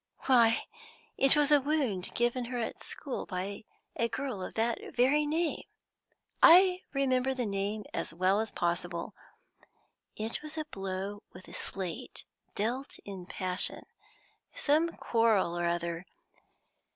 "Why, it was a wound given her at school by a girl of that very name! I remember the name as well as possible. It was a blow with a slate dealt in passion some quarrel or other.